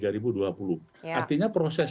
rp tiga dua puluh artinya proses